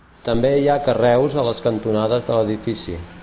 També hi ha carreus a les cantonades de l'edifici.